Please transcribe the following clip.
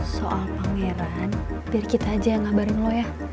soal pangeran biar kita aja ngabarin lo ya